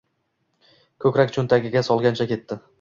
Koʻkrak choʻntagiga solgancha ketdi.